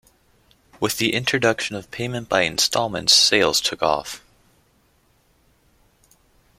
With the introduction of payment by installments, sales took off.